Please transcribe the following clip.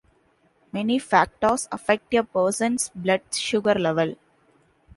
Many factors affect a person's blood sugar level.